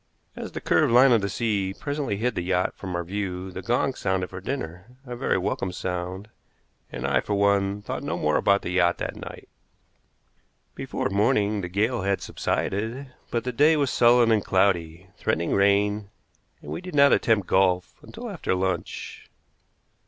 As the curved line of the sea front presently hid the yacht from our view the gong sounded for dinner a very welcome sound, and I, for one, thought no more about the yacht that night. Before morning the gale had subsided, but the day was sullen and cloudy, threatening rain, and we did not attempt golf until after lunch.